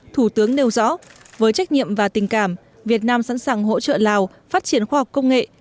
thủ tướng nêu rõ với trách nhiệm và tình cảm việt nam sẵn sàng hỗ trợ lào phát triển khoa học công nghệ